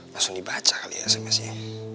langsung dibaca kali ya smsnya